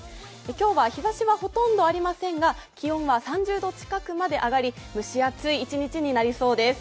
今日は日ざしはほとんどありませんが、気温は３０度近くまで上がり、蒸し暑い１日になりそうです。